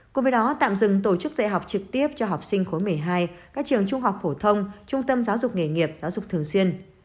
cùng với đó tạm dừng tổ chức dạy học trực tiếp cho học sinh khối một mươi hai các trường trung học phổ thông trung tâm giáo dục nghề nghiệp giáo dục thường xuyên